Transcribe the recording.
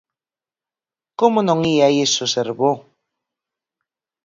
Como non ía iso ser bo?